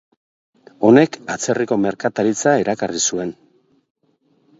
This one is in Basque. Honek atzerriko merkataritza erakarri zuen.